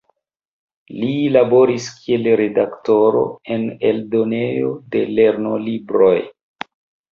Li laboris kiel redaktoro en eldonejo de lernolibroj.